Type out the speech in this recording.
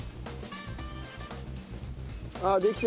あっできた。